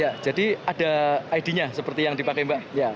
ya jadi ada id nya seperti yang dipakai mbak